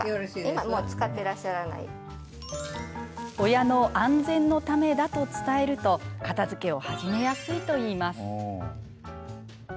親の安全のためだと伝えると片づけを始めやすいといいます。